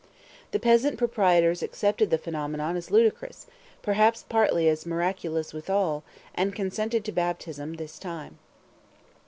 The peasant proprietors accepted the phenomenon as ludicrous, perhaps partly as miraculous withal, and consented to baptism this time.